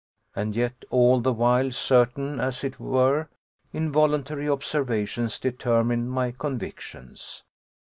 And yet all the while certain, and as it were, involuntary observations determined my convictions.